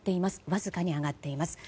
わずかに上がっています。